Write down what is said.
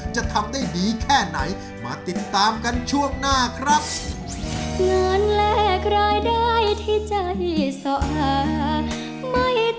จะทำได้ดีแค่ไหนมาติดตามกันช่วงหน้าครับ